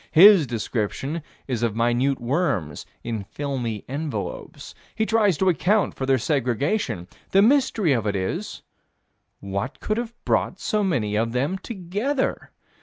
His description is of minute worms in filmy envelopes. He tries to account for their segregation. The mystery of it is: What could have brought so many of them together?